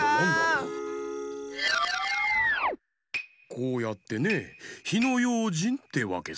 こうやってね「ひのようじん」ってわけさ。